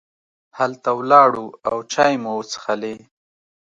هلته ولاړو او چای مو وڅښلې.